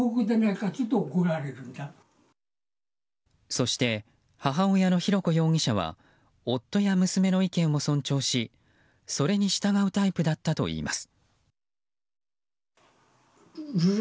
そして母親の浩子容疑者は夫や娘の意見を尊重しそれに従うタイプだったといいます。